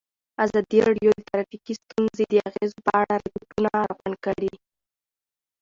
ازادي راډیو د ټرافیکي ستونزې د اغېزو په اړه ریپوټونه راغونډ کړي.